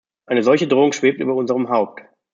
Eine solche Drohung schwebt über unserem Haupt.